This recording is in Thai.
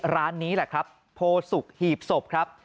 ร้านนี้แหละครับโพสุกหีบศพครับ